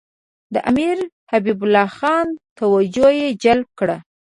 د امیر حبیب الله خان توجه یې جلب کړه.